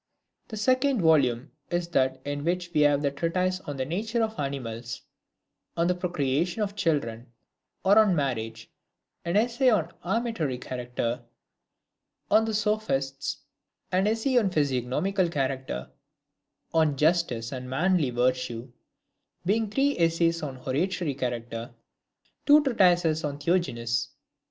The second volume is that in which we have the treatise on the Nature of Animals ; on the Pro creation of Children, or on Marriage, an essay of an amatory character ; on the Sophists, an essay of a physiogno mical character ; on Justice, and Manly Virtue, being three essays of an hortatory character ; two treatises on Theognis.